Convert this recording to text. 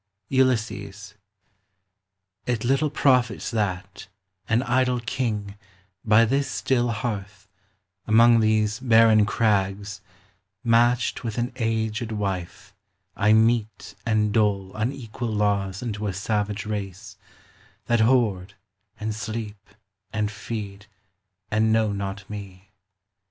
ULYSSES. It little profits that, an idle king, By this still hearth, among these barren crags, Matched with an aged wife, I mete and dole Unequal laws unto a savage race, That hoard, and sleep, and feed, and know not me.